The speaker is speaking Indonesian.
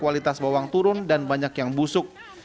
kualitas bawang turun dan banyak yang busuk